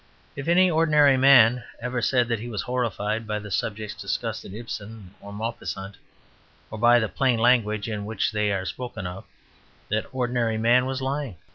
If any ordinary man ever said that he was horrified by the subjects discussed in Ibsen or Maupassant, or by the plain language in which they are spoken of, that ordinary man was lying.